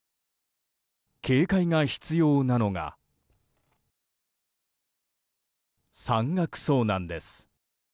警戒が必要なのが山岳遭難です。